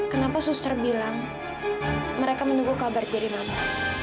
kenapa suster bilang mereka menunggu kabar dari mama